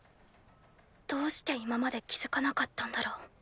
どうして今まで気付かなかったんだろう。